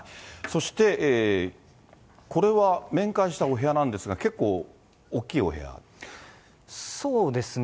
そして、これは面会したお部屋なんですが、結構、大きいお部そうですね。